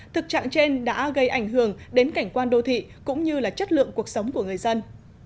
thực trạng trên đã gây ảnh hưởng đến cảnh quan đô thị cũng như là chất lượng cuộc sống của người dân